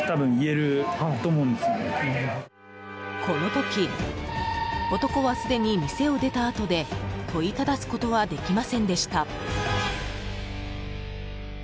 この時男はすでに店を出たあとで問いただすことはできませんでした。